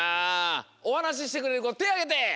おはなししてくれるこてをあげて。